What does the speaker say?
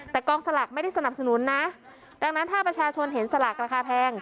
แต่กองสลากไม่ได้สนับสนุนนะดังนั้นถ้าประชาชนเห็นสลากราคาแพง